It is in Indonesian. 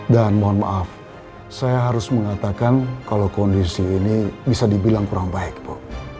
dan mohon maaf saya harus mengatakan kalau kondisi ini bisa dibilang kurang baik bu